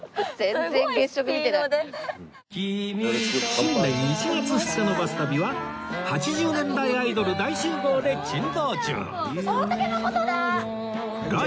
新年１月２日の『バス旅』は８０年代アイドル大集合で珍道中